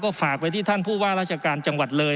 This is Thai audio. ก็ฝากไปที่ท่านผู้ว่าราชการจังหวัดเลย